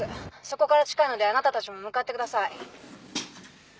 「そこから近いのであなたたちも向かってください」